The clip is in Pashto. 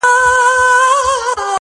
لار چي کله سي غلطه له سړیو٫